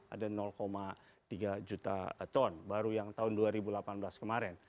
ada tiga juta ton baru yang tahun dua ribu delapan belas kemarin